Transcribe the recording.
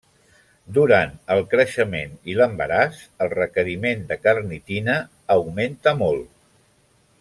Durant el creixement i l'embaràs el requeriment de carnitina augmenta molt.